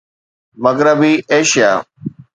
مغربي ايشيا